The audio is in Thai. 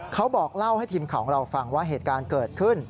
เขาบอกเล่าให้ทีมข่าวของเราฟังว่าเหตุการณ์เกิดขึ้น